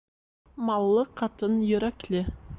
Маллы ҡатын йөрәкле.